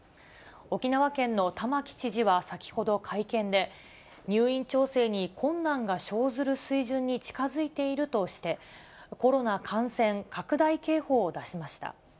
沖縄県の玉城知事は先ほど会見で、入院調整に困難が生ずる水準に近づいているとして、コロナ感染拡大警報を出しました。